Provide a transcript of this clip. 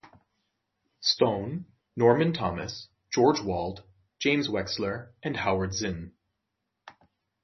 Stone, Norman Thomas, George Wald, James Wechsler and Howard Zinn.